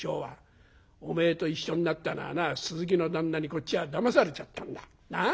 おめえと一緒になったのはな鈴木の旦那にこっちはだまされちゃったんだなあ。